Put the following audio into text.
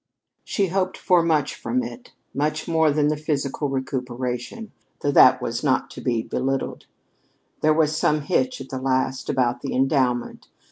She hoped for much from it much more than the physical recuperation, though that was not to be belittled. There was some hitch, at the last, about the endowment.